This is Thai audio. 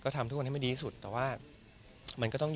ก็มีไปคุยกับคนที่เป็นคนแต่งเพลงแนวนี้